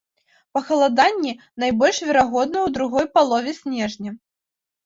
Пахаладанні найбольш верагодныя ў другой палове снежня.